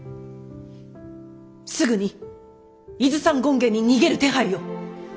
すぐに伊豆山権現に逃げる手配を。